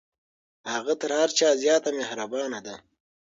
هغه تر هر چا زیاته مهربانه ده.